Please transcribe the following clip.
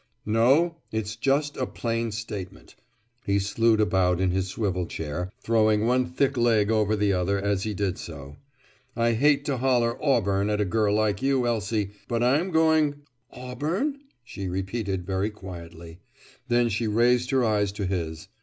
"No; it's just a plain statement." He slewed about in his swivel chair, throwing one thick leg over the other as he did so. "I hate to holler Auburn at a girl like you, Elsie; but I'm going—" "Auburn?" she repeated very quietly. Then she raised her eyes to his.